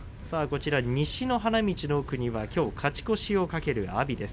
西の花道の奥には、勝ち越しを懸ける阿炎です。